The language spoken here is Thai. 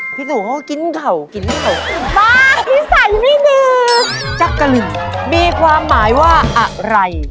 พี่สุโขกินเข่ากินไม่เขามาภี่ใสพี่นือจักรึงมีความหมายว่าอะไร